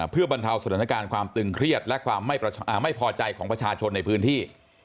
เพื่อบรรเทาสถานการณ์ความตึงเครียดและความไม่พอใจของประชาชนในพื้นที่